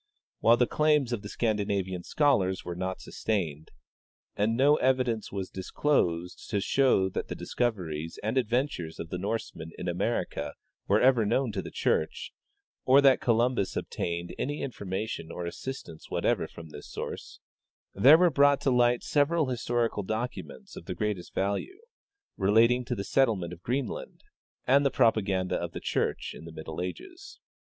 While the claims of the Scandinavian scholars were not sustained, and no evidence was disclosed to show that the discoveries and adventures of the Norsemen in America were ever known to the church, or that Columbus obtained any information or assistance whatever from this source, there were brought to light several historical docu ments of the greatest value, relating to the settlement of Green land and the propaganda of the church in the middle ages.